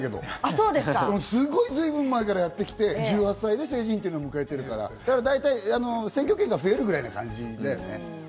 随分前からやってきたけど、１８歳で成人を迎えてるから、選挙権が増えるぐらいな感じだよね。